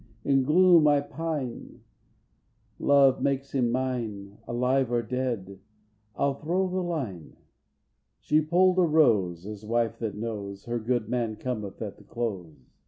"In gloom I pine (love makes him mine, Alive or dead) I'll throw the line!" VI. She pulled a rose, as wife that knows Her good man cometh at the close.